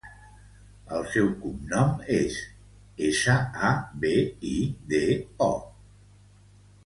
El seu cognom és Sabido: essa, a, be, i, de, o.